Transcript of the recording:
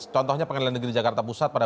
contohnya pengadilan negeri jakarta pusat pada